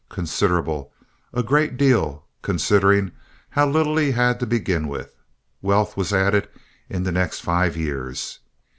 Considerable—a great deal, considering how little he had to begin with—wealth was added in the next five years.